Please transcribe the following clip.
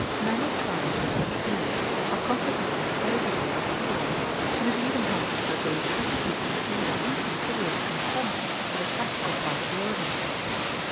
Men of science at such periods are consequently carried away by theory; and it even happens that they frequently conceive an inconsiderate contempt for the practical part of learning.